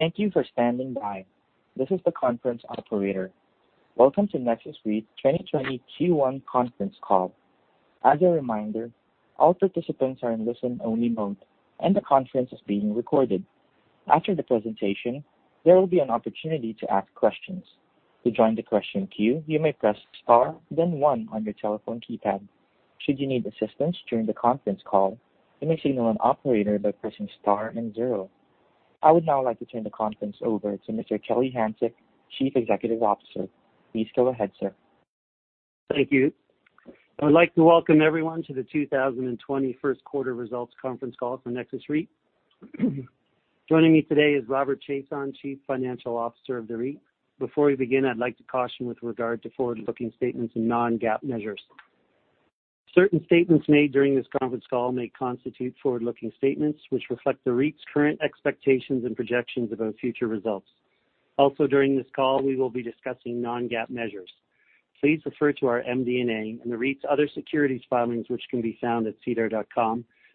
Thank you for standing by. This is the conference operator. Welcome to Nexus Industrial REIT 2020 Q1 conference call. As a reminder, all participants are in listen only mode and the conference is being recorded. After the presentation, there will be an opportunity to ask questions. To join the question queue, you may press star then one on your telephone keypad. Should you need assistance during the conference call, you may signal an operator by pressing star and zero. I would now like to turn the conference over to Mr. Kelly Hanczyk, Chief Executive Officer. Please go ahead, sir. Thank you. I would like to welcome everyone to the 2020 first quarter results conference call for Nexus Industrial REIT. Joining me today is Robert Chiasson, Chief Financial Officer of the REIT. Before we begin, I'd like to caution with regard to forward-looking statements and non-GAAP measures. Certain statements made during this conference call may constitute forward-looking statements which reflect the REIT's current expectations and projections about future results. Also during this call, we will be discussing non-GAAP measures. Please refer to our MD&A and the REIT's other securities filings which can be found at SEDAR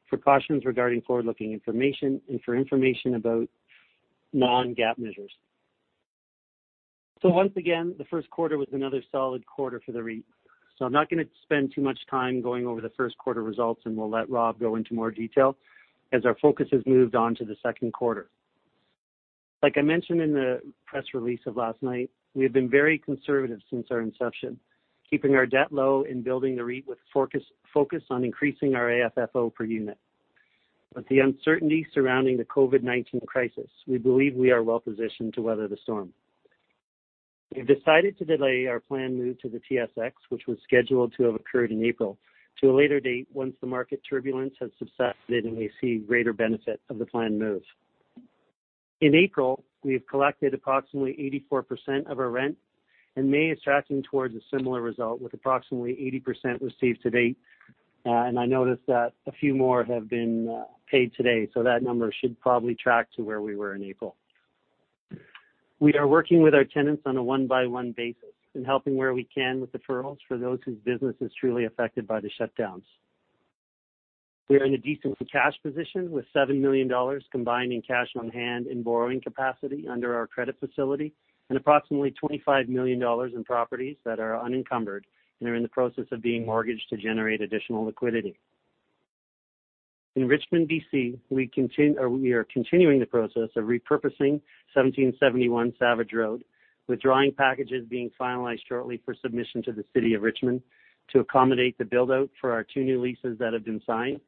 for cautions regarding forward-looking information and for information about non-GAAP measures. Once again, the first quarter was another solid quarter for the REIT. I'm not going to spend too much time going over the first quarter results, and we'll let Rob go into more detail as our focus has moved on to the second quarter. Like I mentioned in the press release of last night, we have been very conservative since our inception, keeping our debt low and building the REIT with focus on increasing our AFFO per unit. With the uncertainty surrounding the COVID-19 crisis, we believe we are well positioned to weather the storm. We've decided to delay our planned move to the TSX, which was scheduled to have occurred in April, to a later date once the market turbulence has subsided and we see greater benefit of the planned move. In April, we have collected approximately 84% of our rent, and May is tracking towards a similar result with approximately 80% received to date. I noticed that a few more have been paid today, so that number should probably track to where we were in April. We are working with our tenants on a one-by-one basis and helping where we can with deferrals for those whose business is truly affected by the shutdowns. We are in a decent cash position with 7 million dollars combining cash on hand and borrowing capacity under our credit facility and approximately 25 million dollars in properties that are unencumbered and are in the process of being mortgaged to generate additional liquidity. In Richmond, BC, we are continuing the process of repurposing 1771 Savage Road, with drawing packages being finalized shortly for submission to the City of Richmond to accommodate the build-out for our two new leases that have been signed.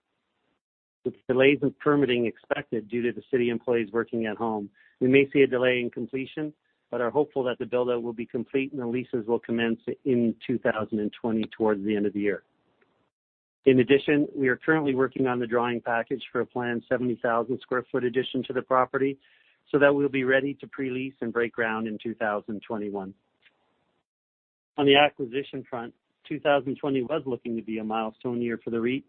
With delays in permitting expected due to the city employees working at home, we may see a delay in completion but are hopeful that the build-out will be complete and the leases will commence in 2020 towards the end of the year. In addition, we are currently working on the drawing package for a planned 70,000 sq ft addition to the property so that we'll be ready to pre-lease and break ground in 2021. On the acquisition front, 2020 was looking to be a milestone year for the REIT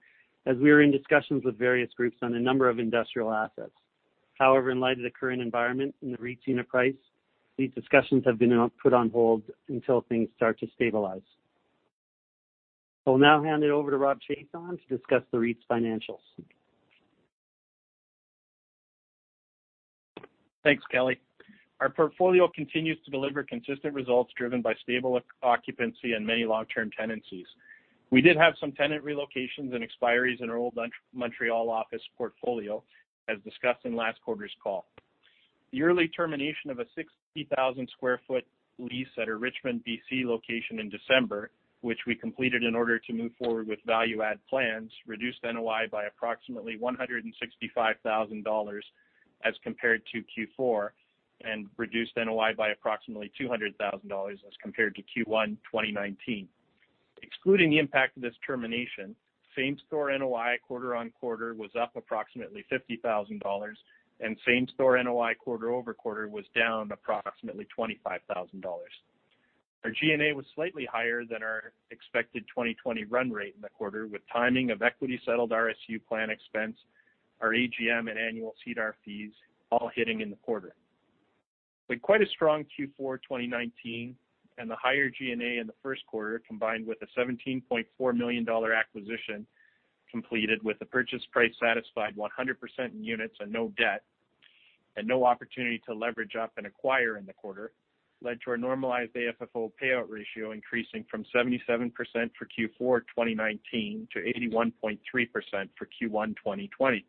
as we were in discussions with various groups on a number of industrial assets. In light of the current environment and the REIT's unit price, these discussions have been put on hold until things start to stabilize. I will now hand it over to Rob Chiasson to discuss the REIT's financials. Thanks, Kelly. Our portfolio continues to deliver consistent results driven by stable occupancy and many long-term tenancies. We did have some tenant relocations and expiries in our Old Montreal office portfolio as discussed in last quarter's call. The early termination of a 60,000 sq ft lease at our Richmond, B.C. location in December, which we completed in order to move forward with value add plans, reduced NOI by approximately 165,000 dollars as compared to Q4 and reduced NOI by approximately 200,000 dollars as compared to Q1 2019. Excluding the impact of this termination, same store NOI quarter-on-quarter was up approximately 50,000 dollars and same store NOI quarter-over-quarter was down approximately 25,000 dollars. Our G&A was slightly higher than our expected 2020 run rate in the quarter with timing of equity settled RSU plan expense, our AGM and annual SEDAR fees all hitting in the quarter. With quite a strong Q4 2019 and the higher G&A in the first quarter combined with a 17.4 million dollar acquisition completed with the purchase price satisfied 100% in units and no debt, and no opportunity to leverage up and acquire in the quarter, led to our normalized AFFO payout ratio increasing from 77% for Q4 2019 to 81.3% for Q1 2020.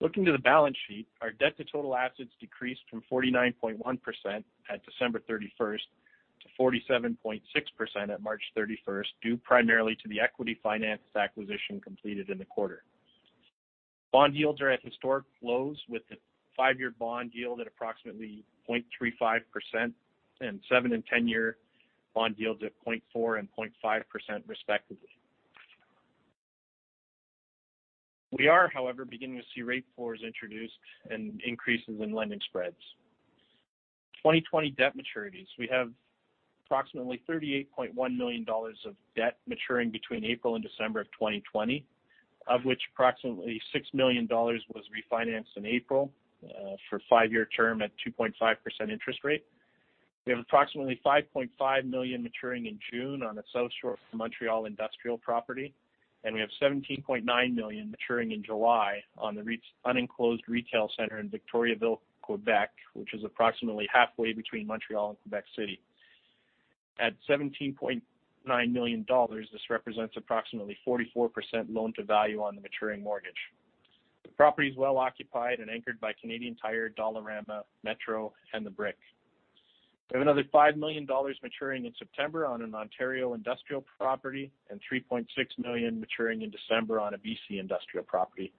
Looking to the balance sheet, our debt to total assets decreased from 49.1% at December 31st to 47.6% at March 31st due primarily to the equity financed acquisition completed in the quarter. Bond yields are at historic lows with the five-year bond yield at approximately 0.35% and seven and 10-year bond yields at 0.4% and 0.5% respectively. We are, however, beginning to see rate floors introduced and increases in lending spreads. 2020 debt maturities. We have approximately 38.1 million dollars of debt maturing between April and December of 2020, of which approximately 6 million dollars was refinanced in April for five-year term at 2.5% interest rate. We have approximately 5.5 million maturing in June on a South Shore Montreal industrial property, and we have 17.9 million maturing in July on the unenclosed retail center in Victoriaville, Quebec, which is approximately halfway between Montreal and Quebec City. At 17.9 million dollars, this represents approximately 44% loan-to-value on the maturing mortgage. The property is well occupied and anchored by Canadian Tire, Dollarama, Metro, and The Brick. We have another 5 million dollars maturing in September on an Ontario industrial property and 3.6 million maturing in December on a BC industrial property.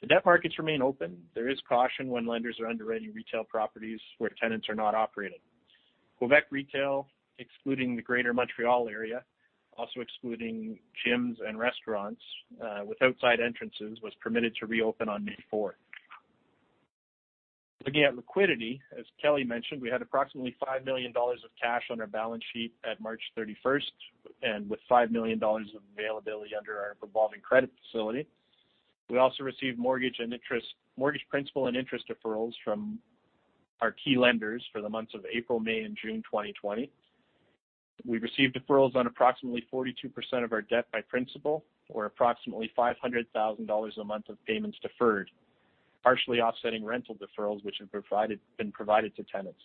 The debt markets remain open. There is caution when lenders are underwriting retail properties where tenants are not operating. Quebec retail, excluding the Greater Montreal area, also excluding gyms and restaurants with outside entrances, was permitted to reopen on May 4th. Looking at liquidity, as Kelly mentioned, we had approximately 5 million dollars of cash on our balance sheet at March 31st and with 5 million dollars of availability under our revolving credit facility. We also received mortgage principal and interest deferrals from our key lenders for the months of April, May, and June 2020. We received deferrals on approximately 42% of our debt by principal or approximately 500,000 dollars a month of payments deferred, partially offsetting rental deferrals which have been provided to tenants.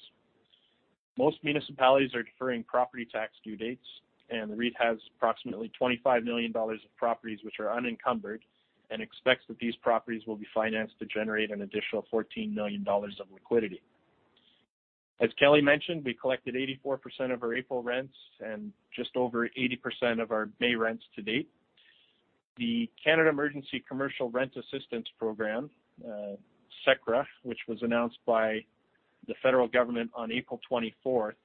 Most municipalities are deferring property tax due dates, and the REIT has approximately 25 million dollars of properties which are unencumbered and expects that these properties will be financed to generate an additional 14 million dollars of liquidity. As Kelly mentioned, we collected 84% of our April rents and just over 80% of our May rents to date. The Canada Emergency Commercial Rent Assistance program, CECRA, which was announced by the federal government on April 24th,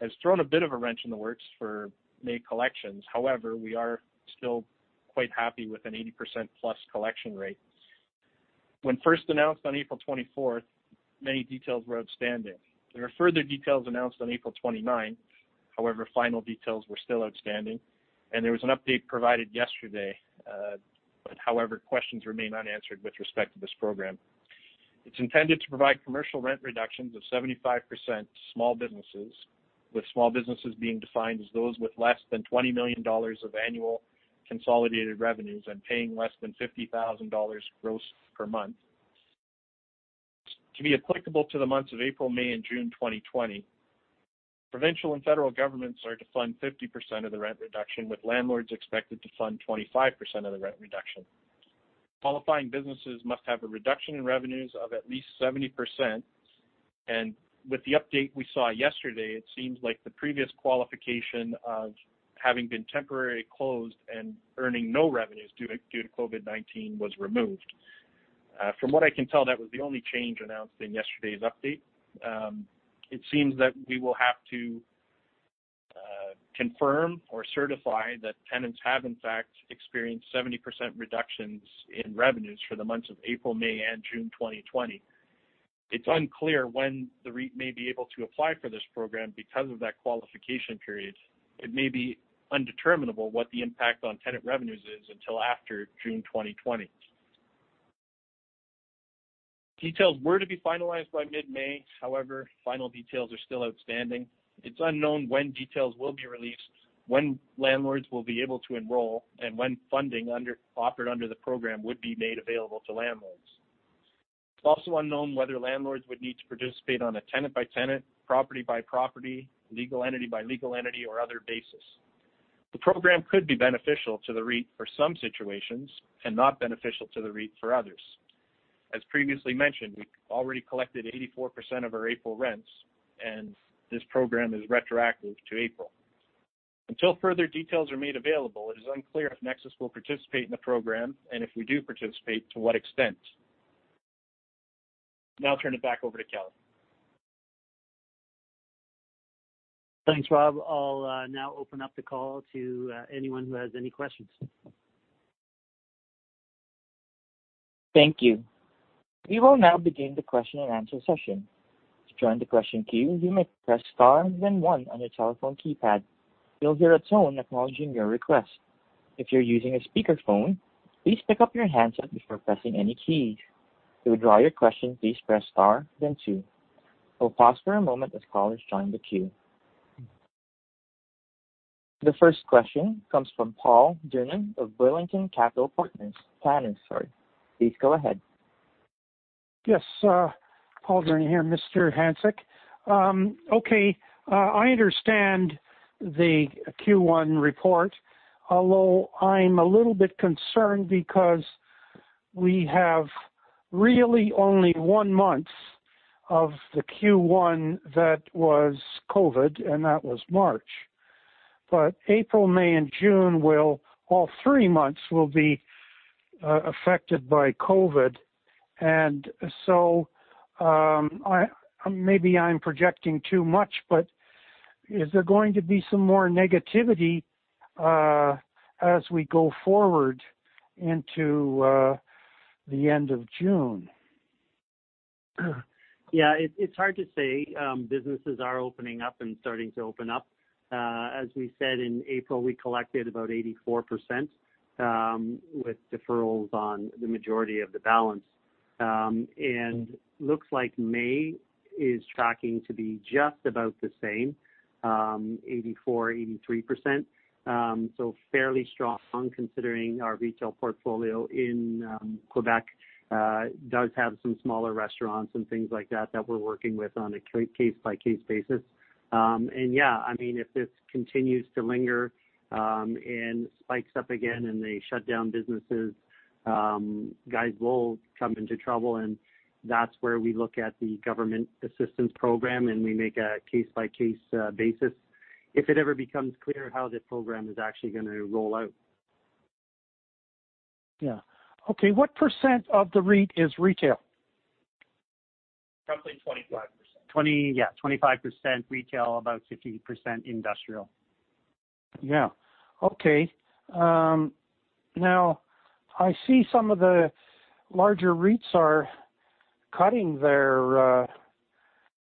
has thrown a bit of a wrench in the works for May collections. However, we are still quite happy with an 80%+ collection rate. When first announced on April 24th, many details were outstanding. There were further details announced on April 29th. However, final details were still outstanding, and there was an update provided yesterday. However, questions remain unanswered with respect to this program. It's intended to provide commercial rent reductions of 75% to small businesses, with small businesses being defined as those with less than 20 million dollars of annual consolidated revenues and paying less than 50,000 dollars gross per month to be applicable to the months of April, May, and June 2020. Provincial and federal governments are to fund 50% of the rent reduction, with landlords expected to fund 25% of the rent reduction. Qualifying businesses must have a reduction in revenues of at least 70%. With the update we saw yesterday, it seems like the previous qualification of having been temporarily closed and earning no revenues due to COVID-19 was removed. From what I can tell, that was the only change announced in yesterday's update. It seems that we will have to confirm or certify that tenants have in fact experienced 70% reductions in revenues for the months of April, May, and June 2020. It's unclear when the REIT may be able to apply for this program because of that qualification period. It may be undeterminable what the impact on tenant revenues is until after June 2020. Details were to be finalized by mid-May. Final details are still outstanding. It's unknown when details will be released, when landlords will be able to enroll, and when funding offered under the program would be made available to landlords. It's also unknown whether landlords would need to participate on a tenant-by-tenant, property-by-property, legal entity by legal entity, or other basis. The program could be beneficial to the REIT for some situations and not beneficial to the REIT for others. As previously mentioned, we've already collected 84% of our April rents, and this program is retroactive to April. Until further details are made available, it is unclear if Nexus will participate in the program, and if we do participate, to what extent. Now I'll turn it back over to Kelly. Thanks, Rob. I'll now open up the call to anyone who has any questions. Thank you. We will now begin the question and answer session. To join the question queue, you may press star then one on your telephone keypad. You'll hear a tone acknowledging your request. If you're using a speakerphone, please pick up your handset before pressing any keys. To withdraw your question, please press star then two. We'll pause for a moment as callers join the queue. The first question comes from Paul Durnan of Burlington Capital Partners. Please go ahead. Yes. Paul Durnan here, Mr. Hanczyk. Okay, I understand the Q1 report, although I'm a little bit concerned because we have really only one month of the Q1 that was COVID, and that was March. April, May, and June, all three months will be affected by COVID. Maybe I'm projecting too much, but is there going to be some more negativity as we go forward into the end of June? Yeah, it's hard to say. Businesses are opening up and starting to open up. As we said in April, we collected about 84%, with deferrals on the majority of the balance. Looks like May is tracking to be just about the same, 84%, 83%. Fairly strong considering our retail portfolio in Quebec does have some smaller restaurants and things like that we're working with on a case-by-case basis. Yeah, if this continues to linger and spikes up again and they shut down businesses, guys will come into trouble and that's where we look at the Government Assistance Program and we make a case-by-case basis. If it ever becomes clear how the program is actually going to roll out. Yeah. Okay. What % of the REIT is retail? Probably 25%. Yeah, 25% retail, about 50% industrial. Okay. Now I see some of the larger REITs are cutting their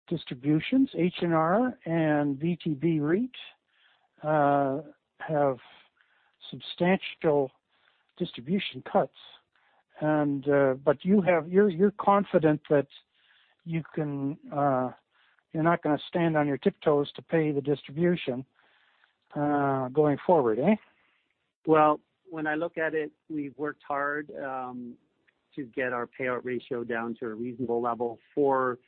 distributions. H&R and BTB REIT have substantial distribution cuts. But you're confident that you're not going to stand on your tiptoes to pay the distribution going forward, eh? Well, when I look at it, we've worked hard to get our payout ratio down to a reasonable level for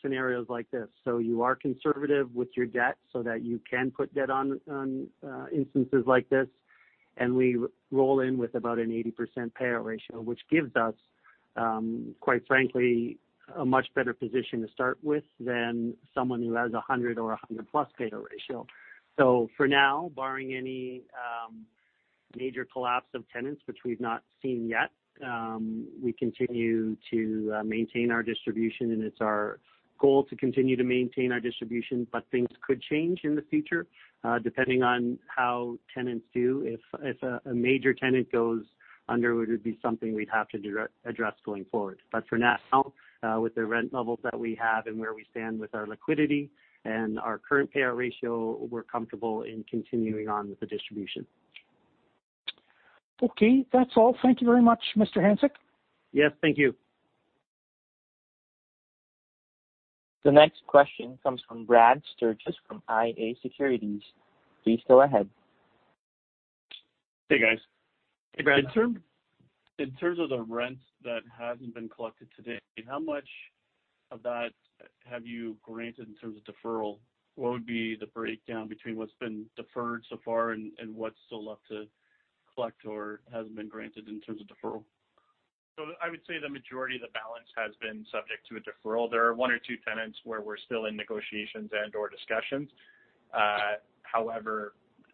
scenarios like this. You are conservative with your debt so that you can put debt on instances like this. We roll in with about an 80% payout ratio, which gives us, quite frankly, a much better position to start with than someone who has 100% or 100% plus payout ratio. For now, barring any major collapse of tenants, which we've not seen yet, we continue to maintain our distribution. It's our goal to continue to maintain our distribution. Things could change in the future, depending on how tenants do. If a major tenant goes under, it would be something we'd have to address going forward. For now, with the rent levels that we have and where we stand with our liquidity and our current payout ratio, we're comfortable in continuing on with the distribution. Okay. That's all. Thank you very much, Mr. Hanczyk. Yes. Thank you. The next question comes from Brad Sturges from iA Securities. Please go ahead. Hey, guys. Hey, Brad. In terms of the rent that hasn't been collected today, how much of that have you granted in terms of deferral? What would be the breakdown between what's been deferred so far and what's still left to collect or hasn't been granted in terms of deferral? I would say the majority of the balance has been subject to a deferral. There are one or two tenants where we're still in negotiations and/or discussions.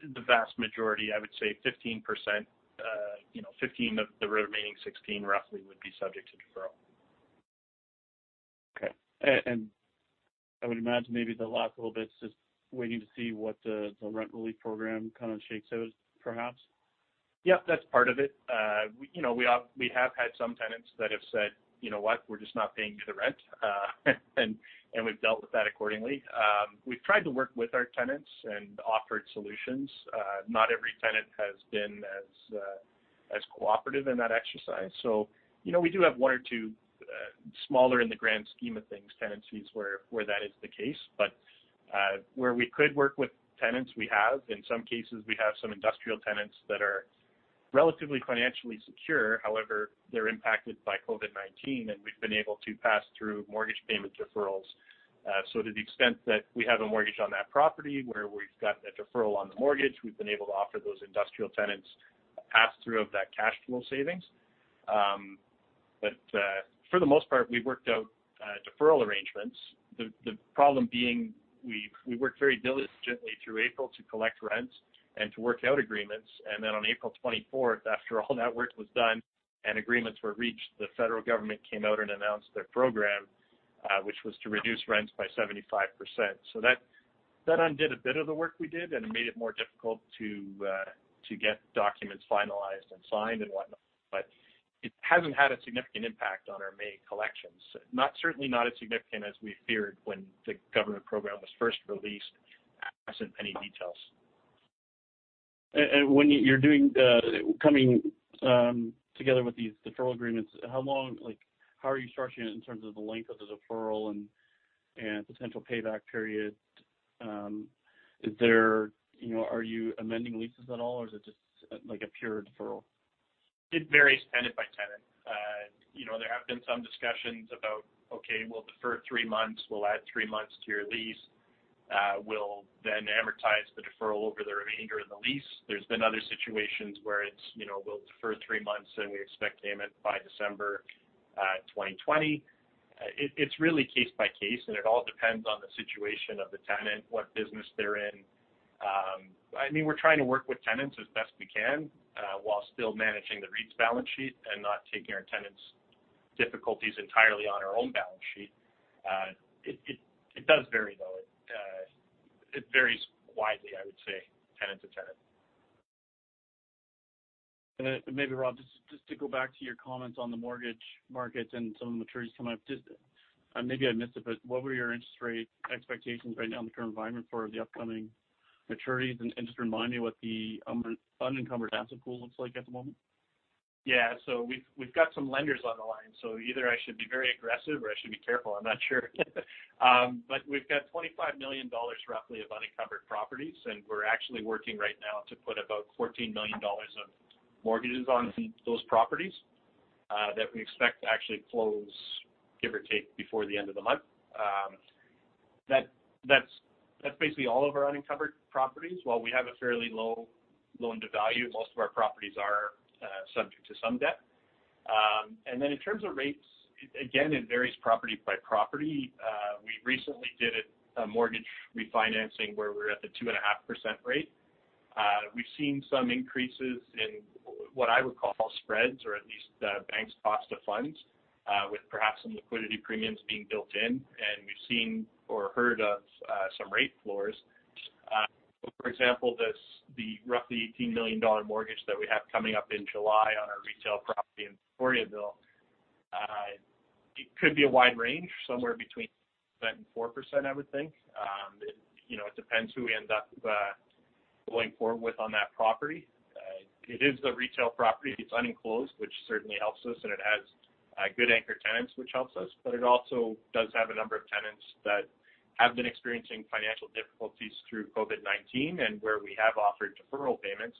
The vast majority, I would say 15%, 15 of the remaining 16 roughly would be subject to deferral. Okay. I would imagine maybe the last little bit's just waiting to see what the rent relief program kind of shakes out perhaps? Yep, that's part of it. We have had some tenants that have said, "You know what? We're just not paying you the rent." We've dealt with that accordingly. We've tried to work with our tenants and offered solutions. Not every tenant has been as cooperative in that exercise. We do have one or two smaller, in the grand scheme of things, tenancies where that is the case. Where we could work with tenants, we have. In some cases, we have some industrial tenants that are relatively financially secure, however, they're impacted by COVID-19 and we've been able to pass through mortgage payment deferrals. To the extent that we have a mortgage on that property where we've got a deferral on the mortgage, we've been able to offer those industrial tenants a pass-through of that cash flow savings. For the most part, we've worked out deferral arrangements. The problem being we worked very diligently through April to collect rents and to work out agreements, and then on April 24th, after all that work was done and agreements were reached, the federal government came out and announced their program, which was to reduce rents by 75%. That undid a bit of the work we did, and it made it more difficult to get documents finalized and signed and whatnot. It hasn't had a significant impact on our May collections. Certainly not as significant as we feared when the government program was first released absent any details. When you're coming together with these deferral agreements, how are you structuring it in terms of the length of the deferral and potential payback period? Are you amending leases at all or is it just a pure deferral? It varies tenant by tenant. There have been some discussions about, okay, we'll defer three months, we'll add three months to your lease. We'll then amortize the deferral over the remainder of the lease. There's been other situations where it's, we'll defer three months and we expect payment by December 2020. It's really case by case. It all depends on the situation of the tenant, what business they're in. We're trying to work with tenants as best we can, while still managing the REIT's balance sheet and not taking our tenants' difficulties entirely on our own balance sheet. It does vary though. It varies widely, I would say, tenant to tenant. Maybe Rob, just to go back to your comments on the mortgage markets and some of the maturities coming up. What were your interest rate expectations right now in the current environment for the upcoming maturities? Just remind me what the unencumbered asset pool looks like at the moment. We've got some lenders on the line, so either I should be very aggressive or I should be careful, I'm not sure. We've got 25 million dollars roughly of unencumbered properties, and we're actually working right now to put about 14 million dollars of mortgages on those properties that we expect to actually close, give or take, before the end of the month. That's basically all of our unencumbered properties. While we have a fairly low loan-to-value, most of our properties are subject to some debt. In terms of rates, again, it varies property by property. We recently did a mortgage refinancing where we're at the 2.5% rate. We've seen some increases in what I would call spreads or at least banks' cost of funds, with perhaps some liquidity premiums being built in. We've seen or heard of some rate floors. For example, the roughly 18 million dollar mortgage that we have coming up in July on our retail property in Victoriaville. It could be a wide range, somewhere between 3% and 4%, I would think. It depends who we end up going forward with on that property. It is the retail property. It's unenclosed, which certainly helps us, and it has good anchor tenants, which helps us, but it also does have a number of tenants that have been experiencing financial difficulties through COVID-19 and where we have offered deferral payments.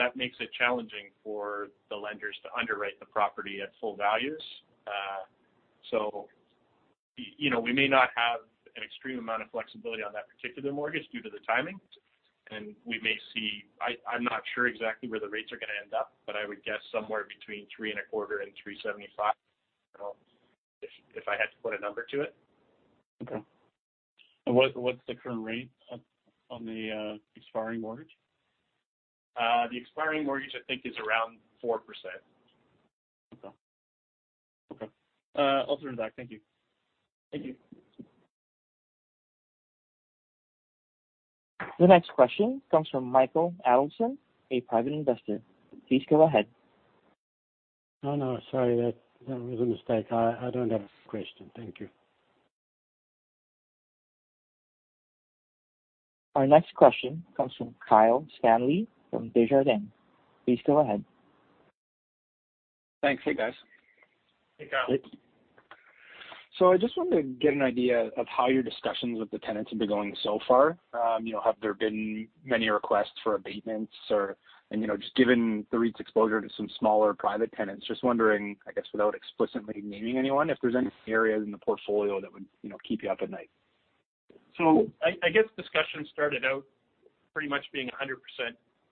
That makes it challenging for the lenders to underwrite the property at full values. We may not have an extreme amount of flexibility on that particular mortgage due to the timing, and we may see I'm not sure exactly where the rates are going to end up, but I would guess somewhere between 3.25% and 3.75%, if I had to put a number to it. Okay. What's the current rate on the expiring mortgage? The expiring mortgage, I think, is around 4%. Okay. I'll turn it back. Thank you. Thank you. The next question comes from Michael Alison, a private investor. Please go ahead. Oh, no. Sorry. That was a mistake. I don't have a question. Thank you. Our next question comes from Kyle Stanley from Desjardins. Please go ahead. Thanks. Hey, guys. Hey, Kyle. I just wanted to get an idea of how your discussions with the tenants have been going so far. Have there been many requests for abatements or, just given the REIT's exposure to some smaller private tenants, just wondering, I guess, without explicitly naming anyone, if there's any areas in the portfolio that would keep you up at night? I guess discussion started out pretty much being 100%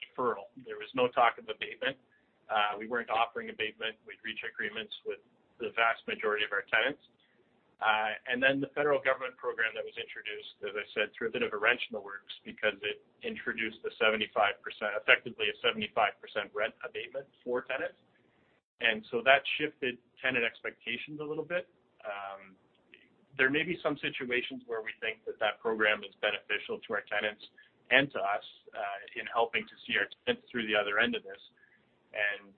deferral. There was no talk of abatement. We weren't offering abatement. We'd reached agreements with the vast majority of our tenants. The federal government program that was introduced, as I said, threw a bit of a wrench in the works because it introduced effectively a 75% rent abatement for tenants. That shifted tenant expectations a little bit. There may be some situations where we think that that program is beneficial to our tenants and to us, in helping to see our tenants through the other end of this and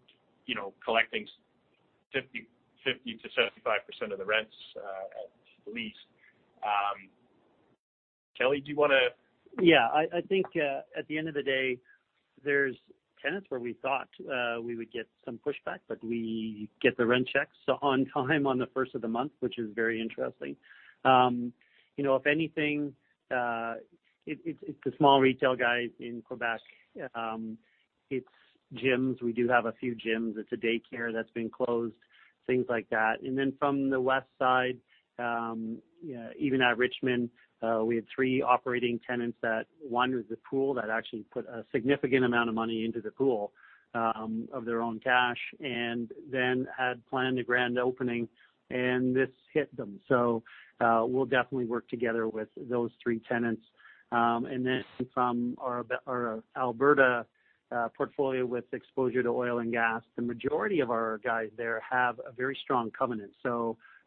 collecting 50%-75% of the rents at least. Kelly, do you want to. I think at the end of the day, there's tenants where we thought we would get some pushback, but we get the rent checks on time on the first of the month, which is very interesting. If anything, it's the small retail guys in Quebec. It's gyms. We do have a few gyms. It's a daycare that's been closed, things like that. From the west side, even at Richmond, we had three operating tenants that one was a pool that actually put a significant amount of money into the pool of their own cash and then had planned a grand opening and this hit them. We'll definitely work together with those three tenants. From our Alberta portfolio with exposure to oil and gas, the majority of our guys there have a very strong covenant.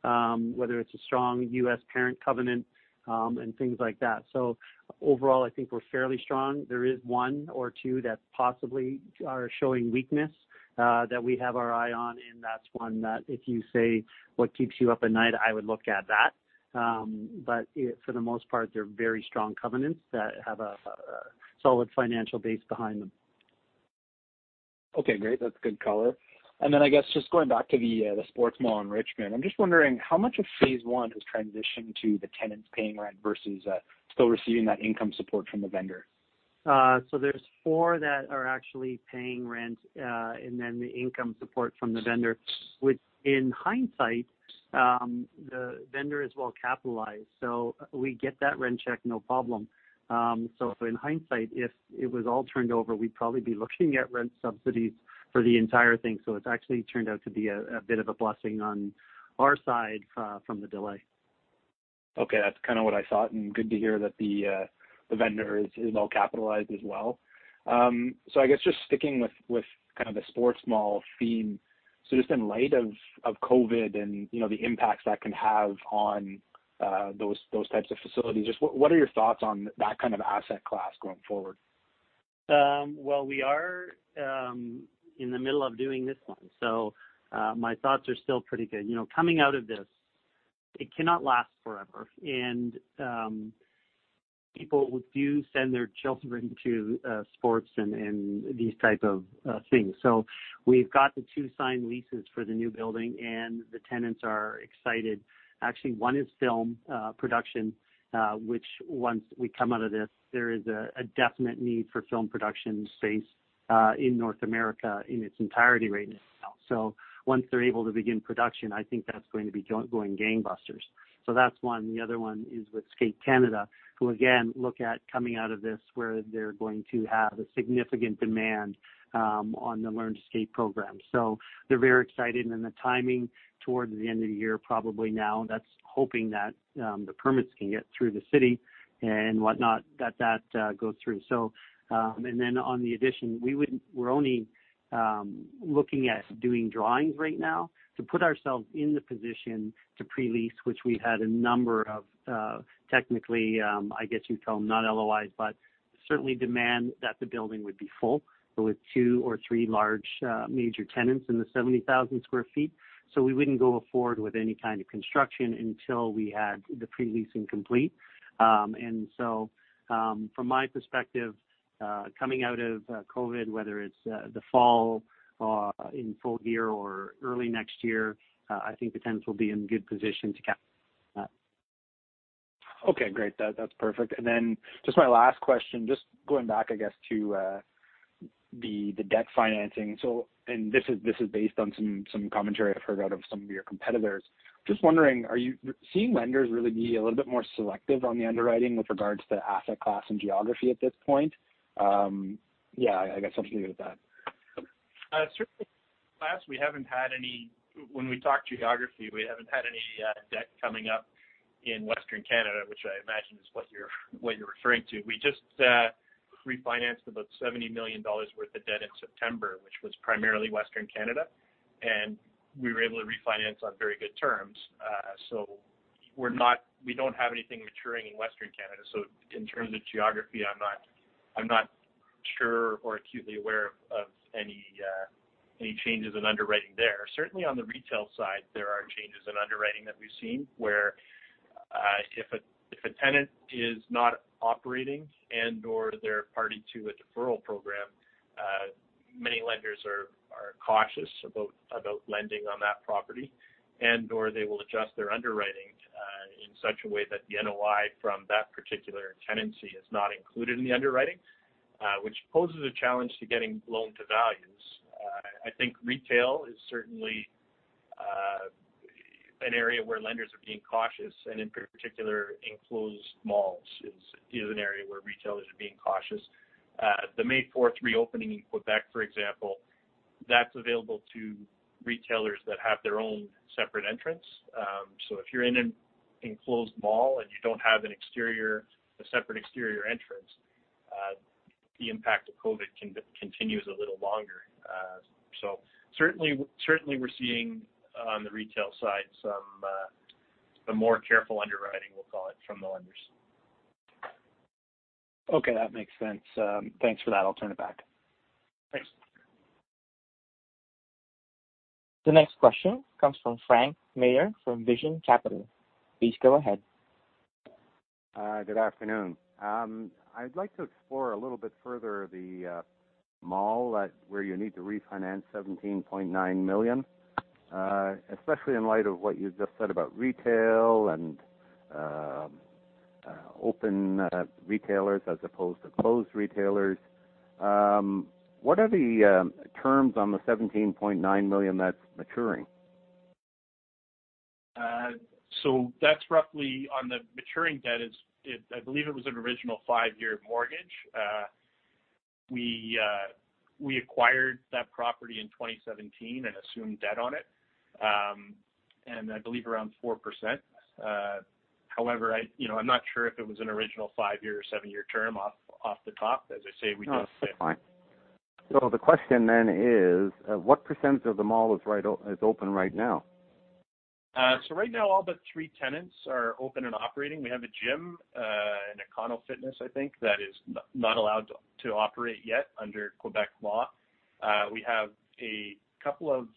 Whether it's a strong U.S. parent covenant and things like that. Overall, I think we're fairly strong. There is one or two that possibly are showing weakness that we have our eye on, and that's one that if you say what keeps you up at night, I would look at that. For the most part, they're very strong covenants that have a solid financial base behind them. Okay, great. That's good color. Then, I guess, just going back to the sports mall in Richmond. I'm just wondering how much of phase 1 has transitioned to the tenants paying rent versus still receiving that income support from the vendor? There's four that are actually paying rent, and then the income support from the vendor. In hindsight, the vendor is well-capitalized, so we get that rent check, no problem. In hindsight, if it was all turned over, we'd probably be looking at rent subsidies for the entire thing. It's actually turned out to be a bit of a blessing on our side from the delay. Okay, that's kind of what I thought, and good to hear that the vendor is well-capitalized as well. I guess just sticking with kind of the sports mall theme. Just in light of COVID-19 and the impacts that can have on those types of facilities, just what are your thoughts on that kind of asset class going forward? We are in the middle of doing this one, so my thoughts are still pretty good. Coming out of this, it cannot last forever, and people do send their children to sports and these type of things. We've got the two signed leases for the new building, and the tenants are excited. Actually, one is film production which once we come out of this, there is a definite need for film production space in North America in its entirety right now. Once they're able to begin production, I think that's going to be going gangbusters. That's one. The other one is with Skate Canada, who, again, look at coming out of this, where they're going to have a significant demand on the learn to skate program. They're very excited and the timing towards the end of the year probably now, that's hoping that the permits can get through the city and whatnot, that goes through. Then on the addition, we're only looking at doing drawings right now to put ourselves in the position to pre-lease, which we've had a number of technically, I guess you'd call them not LOIs, but certainly demand that the building would be full with two or three large major tenants in the 70,000 square feet. We wouldn't go forward with any kind of construction until we had the pre-leasing complete. From my perspective, coming out of COVID, whether it's the fall in full gear or early next year, I think the tenants will be in good position. Okay, great. That's perfect. Then just my last question, just going back, I guess, to the debt financing. This is based on some commentary I've heard out of some of your competitors. Just wondering, are you seeing lenders really be a little bit more selective on the underwriting with regards to asset class and geography at this point? Yeah, I guess I'll just leave it at that. Certainly. When we talked geography, we haven't had any debt coming up in Western Canada, which I imagine is what you're referring to. We just refinanced about 70 million dollars worth of debt in September, which was primarily Western Canada. We were able to refinance on very good terms. We don't have anything maturing in Western Canada. In terms of geography, I'm not sure or acutely aware of any changes in underwriting there. Certainly, on the retail side, there are changes in underwriting that we've seen, where if a tenant is not operating and/or they're party to a deferral program, many lenders are cautious about lending on that property and/or they will adjust their underwriting in such a way that the NOI from that particular tenancy is not included in the underwriting, which poses a challenge to getting loan to values. I think retail is certainly an area where lenders are being cautious, in particular, enclosed malls is an area where retailers are being cautious. The May 4th reopening in Quebec, for example, that's available to retailers that have their own separate entrance. If you're in an enclosed mall and you don't have a separate exterior entrance, the impact of COVID continues a little longer. Certainly, we're seeing on the retail side some more careful underwriting, we'll call it, from the lenders. Okay, that makes sense. Thanks for that. I'll turn it back. Thanks. The next question comes from Frank Mayer from Vision Capital. Please go ahead. Good afternoon. I'd like to explore a little bit further the mall where you need to refinance 17.9 million, especially in light of what you just said about retail and open retailers as opposed to closed retailers. What are the terms on the 17.9 million that's maturing? That's roughly on the maturing debt is, I believe it was an original five-year mortgage. We acquired that property in 2017 and assumed debt on it. I believe around 4%. However, I'm not sure if it was an original five-year or seven-year term off the top. As I say, we just. No, that's fine. The question then is, what % of the mall is open right now? Right now, all but three tenants are open and operating. We have a gym, an Éconofitness, I think, that is not allowed to operate yet under Quebec law. We have a couple of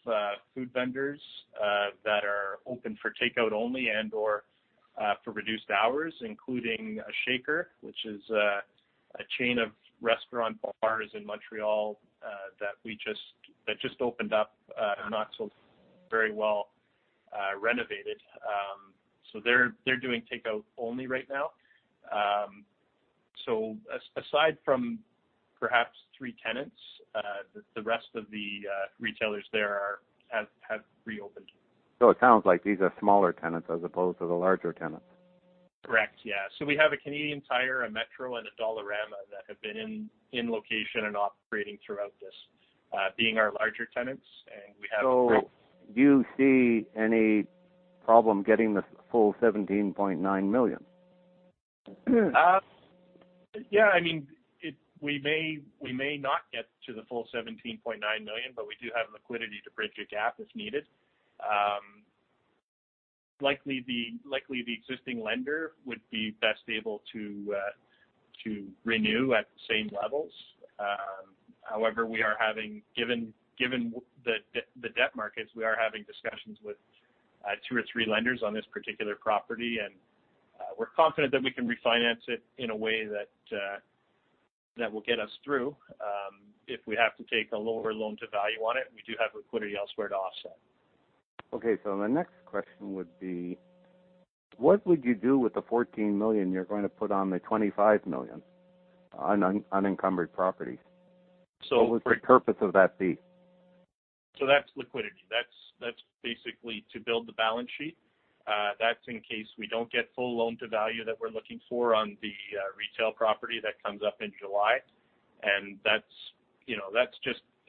food vendors that are open for takeout only and/or for reduced hours, including SHAKER, which is a chain of restaurant bars in Montreal, that just opened up a not so very well renovated. They're doing takeout only right now. Aside from perhaps three tenants, the rest of the retailers there have reopened. It sounds like these are smaller tenants as opposed to the larger tenants. Correct. Yeah. We have a Canadian Tire, a Metro, and a Dollarama that have been in location and operating throughout this, being our larger tenants. Do you see any problem getting the full 17.9 million? Yeah. We may not get to the full 17.9 million, but we do have liquidity to bridge a gap if needed. Likely the existing lender would be best able to renew at the same levels. However, given the debt markets, we are having discussions with two or three lenders on this particular property, and we're confident that we can refinance it in a way that will get us through. If we have to take a lower loan-to-value on it, we do have liquidity elsewhere to offset. Okay. My next question would be: What would you do with the 14 million you're going to put on the 25 million unencumbered property? So- What would the purpose of that be? That's liquidity. That's basically to build the balance sheet. That's in case we don't get full loan-to-value that we're looking for on the retail property that comes up in July.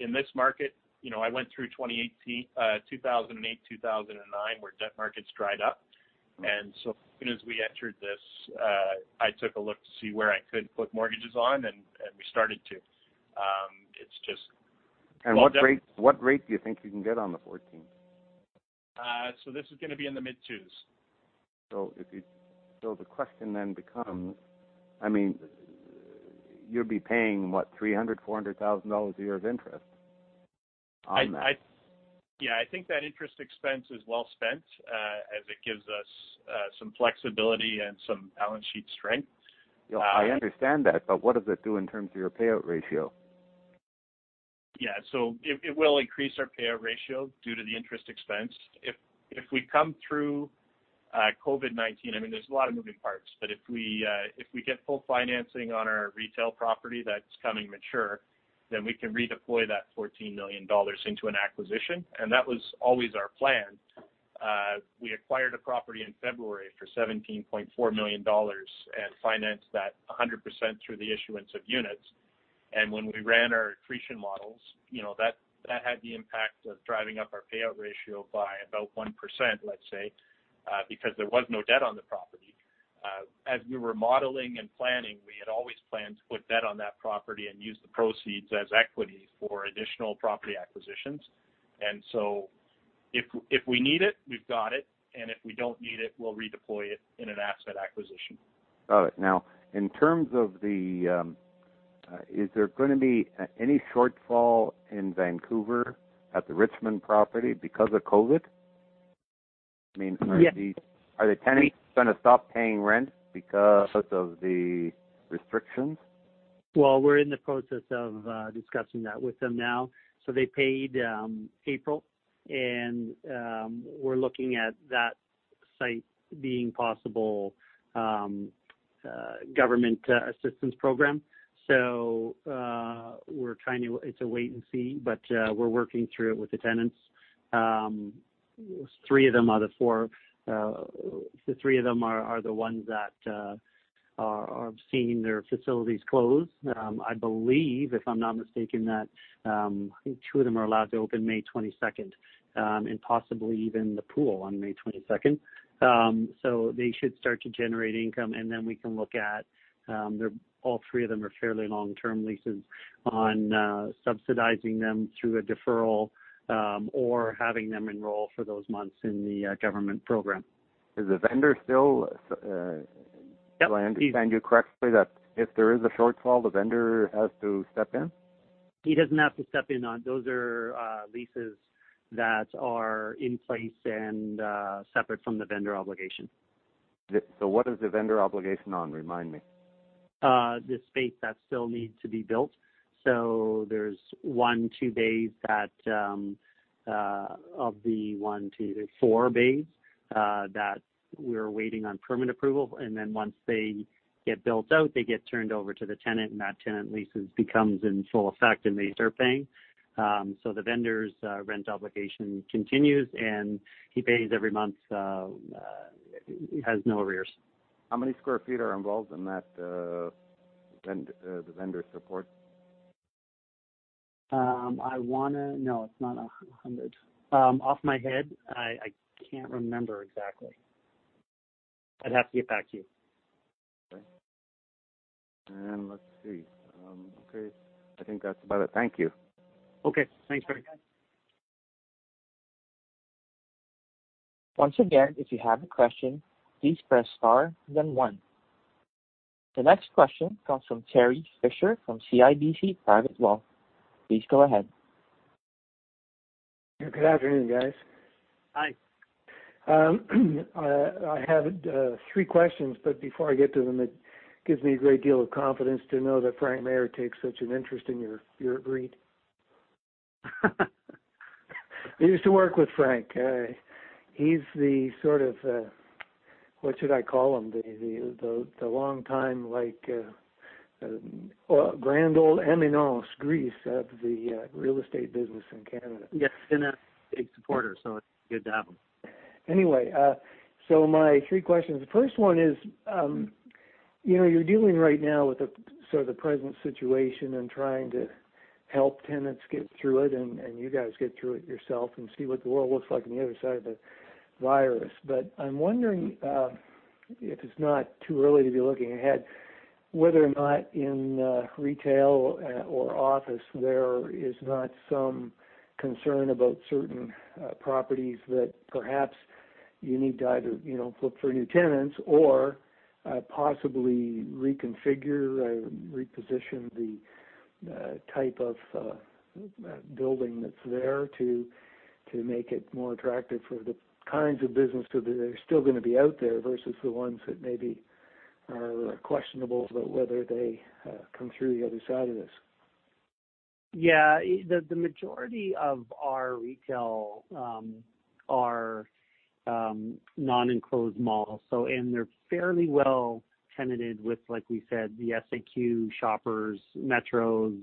In this market, I went through 2008, 2009, where debt markets dried up. As soon as we entered this, I took a look to see where I could put mortgages on, and we started to. What rate do you think you can get on the 14? This is going to be in the mid twos. The question then becomes, you'll be paying, what, 300,000, 400,000 dollars a year of interest on that. I think that interest expense is well spent, as it gives us some flexibility and some balance sheet strength. Yeah, I understand that, but what does it do in terms of your payout ratio? It will increase our payout ratio due to the interest expense. If we come through COVID-19, there's a lot of moving parts, but if we get full financing on our retail property that's coming mature, we can redeploy that 14 million dollars into an acquisition. That was always our plan. We acquired a property in February for 17.4 million dollars and financed that 100% through the issuance of units. When we ran our accretion models, that had the impact of driving up our payout ratio by about 1%, let's say, because there was no debt on the property. As we were modeling and planning, we had always planned to put debt on that property and use the proceeds as equity for additional property acquisitions. If we need it, we've got it, and if we don't need it, we'll redeploy it in an asset acquisition. Got it. Now, in terms of, is there going to be any shortfall in Vancouver at the Richmond property because of COVID? Yes. Are the tenants going to stop paying rent because of the restrictions? Well, we're in the process of discussing that with them now. They paid April, and we're looking at that site being possible government assistance program. It's a wait and see, but we're working through it with the tenants. Three of them are the ones that are seeing their facilities close. I believe, if I'm not mistaken, that two of them are allowed to open May 22nd, and possibly even the pool on May 22nd. They should start to generate income, and then we can look at, all three of them are fairly long-term leases, on subsidizing them through a deferral or having them enroll for those months in the government program. Is the vendor still- Yep. If I understand you correctly, that if there is a shortfall, the vendor has to step in? He doesn't have to step in on. Those are leases that are in place and separate from the vendor obligation. What is the vendor obligation on? Remind me. The space that still needs to be built. There's one, two bays that, of the one, two, three, four bays, that we're waiting on permit approval. Once they get built out, they get turned over to the tenant. That tenant leases becomes in full effect, they start paying. The vendor's rent obligation continues. He pays every month, he has no arrears. How many square feet are involved in that, the vendor support? No, it's not 100. Off my head, I can't remember exactly. I'd have to get back to you. Okay. Let's see. Okay, I think that's about it. Thank you. Okay. Thanks, Frank. Once again, if you have a question, please press star then one. The next question comes from Terry Fisher from CIBC Private Wealth. Please go ahead. Good afternoon, guys. Hi. I have three questions, but before I get to them, it gives me a great deal of confidence to know that Frank Mayer takes such an interest in your REIT. I used to work with Frank. He's the sort of, what should I call him? The longtime, like, grand old éminence grise of the real estate business in Canada. Yes. Been a big supporter, so it's good to have him. My three questions. The first one is, you're dealing right now with the present situation and trying to help tenants get through it, and you guys get through it yourself and see what the world looks like on the other side of the virus. I'm wondering, if it's not too early to be looking ahead whether or not in retail or office, there is not some concern about certain properties that perhaps you need to either look for new tenants or possibly reconfigure, reposition the type of building that's there to make it more attractive for the kinds of business that are still going to be out there, versus the ones that maybe are questionable about whether they come through the other side of this. Yeah. The majority of our retail are non-enclosed malls, and they're fairly well tenanted with, like we said, the SAQ, Shoppers, Metros,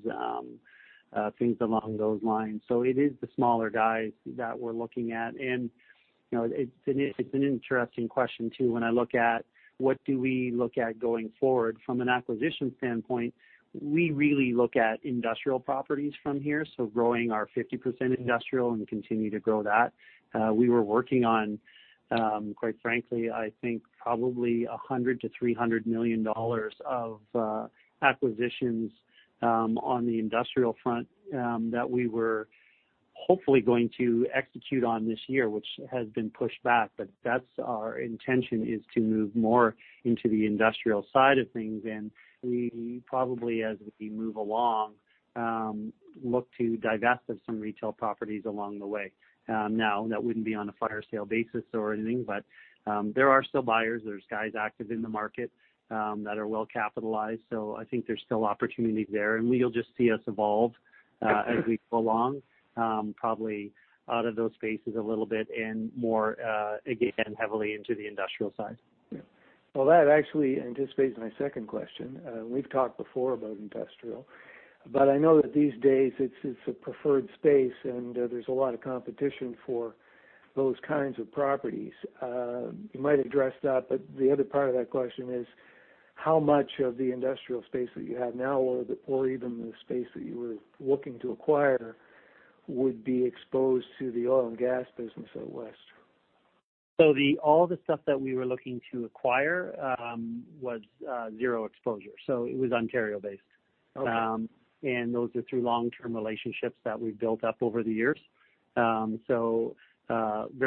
things along those lines. It is the smaller guys that we're looking at. It's an interesting question, too, when I look at what do we look at going forward. From an acquisition standpoint, we really look at industrial properties from here, so growing our 55% industrial and continue to grow that. We were working on, quite frankly, I think probably 100 million-300 million dollars of acquisitions on the industrial front that we were hopefully going to execute on this year, which has been pushed back. That's our intention, is to move more into the industrial side of things. We probably, as we move along, look to divest of some retail properties along the way. That wouldn't be on a fire sale basis or anything. There are still buyers. There's guys active in the market that are well capitalized. I think there's still opportunity there. You'll just see us evolve as we go along, probably out of those spaces a little bit and more again, heavily into the industrial side. Yeah. Well, that actually anticipates my second question. We've talked before about industrial. I know that these days it's a preferred space and there's a lot of competition for those kinds of properties. You might have addressed that, but the other part of that question is how much of the industrial space that you have now, or even the space that you were looking to acquire, would be exposed to the oil and gas business out west? All the stuff that we were looking to acquire was zero exposure. It was Ontario-based. Okay. Those are through long-term relationships that we've built up over the years. Very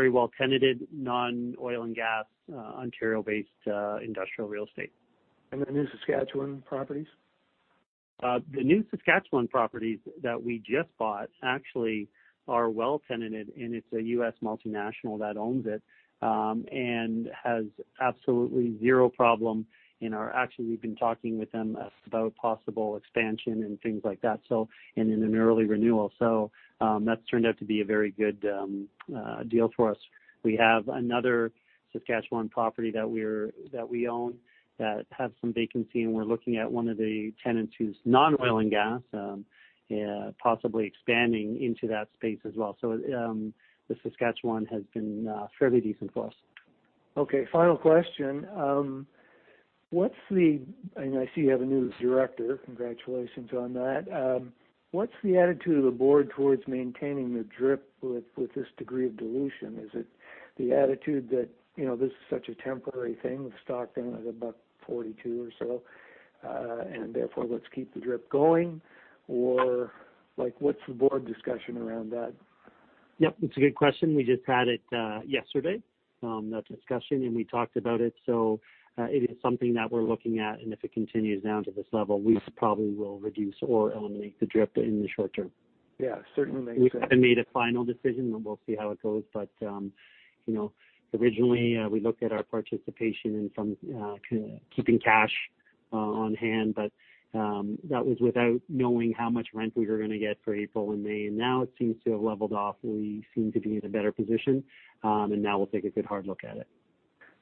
well tenanted, non-oil and gas, Ontario-based industrial real estate. The new Saskatchewan properties? The new Saskatchewan properties that we just bought actually are well tenanted, and it's a U.S. multinational that owns it and has absolutely zero problem. Actually, we've been talking with them about possible expansion and things like that and in an early renewal. That's turned out to be a very good deal for us. We have another Saskatchewan property that we own that has some vacancy, and we're looking at one of the tenants who's non-oil and gas possibly expanding into that space as well. The Saskatchewan has been fairly decent for us. Okay, final question. I see you have a new director. Congratulations on that. What's the attitude of the board towards maintaining the DRIP with this degree of dilution? Is it the attitude that this is such a temporary thing with stock down at 1.42 or so, therefore let's keep the DRIP going? What's the board discussion around that? Yep, it's a good question. We just had it yesterday, that discussion, and we talked about it. It is something that we're looking at, and if it continues down to this level, we probably will reduce or eliminate the DRIP in the short term. Yeah, certainly makes sense. We haven't made a final decision, and we'll see how it goes. Originally we looked at our participation in some keeping cash on hand, but that was without knowing how much rent we were going to get for April and May, and now it seems to have leveled off. We seem to be in a better position. Now we'll take a good hard look at it.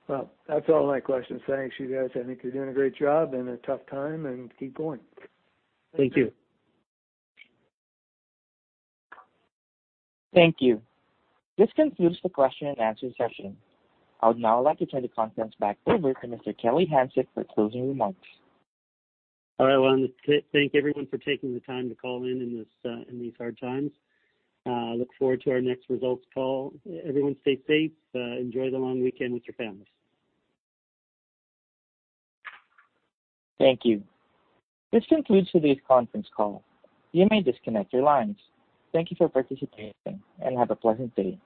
Well, that's all my questions. Thanks, you guys. I think you're doing a great job in a tough time, and keep going. Thank you. Thank you. This concludes the question and answer session. I would now like to turn the conference back over to Mr. Kelly Hanczyk for closing remarks. All right. I want to thank everyone for taking the time to call in in these hard times. Look forward to our next results call. Everyone stay safe. Enjoy the long weekend with your families. Thank you. This concludes today's conference call. You may disconnect your lines. Thank you for participating and have a pleasant day.